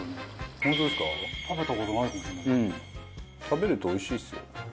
食べるとおいしいですよ。